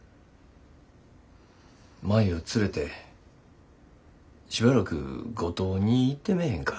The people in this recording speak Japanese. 舞を連れてしばらく五島に行ってめぇへんか？